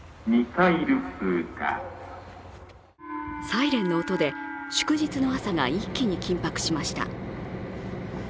サイレンの音で祝日の朝が一気に緊迫しました。